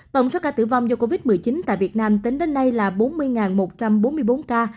tổng số ca tử vong do covid một mươi chín tại việt nam tính đến nay là bốn mươi một trăm bốn mươi bốn ca